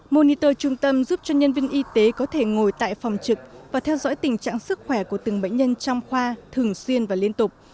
moniter trung tâm giúp cho nhân viên y tế có thể ngồi tại phòng trực và theo dõi tình trạng sức khỏe của từng bệnh nhân trong khoa thường xuyên và liên tục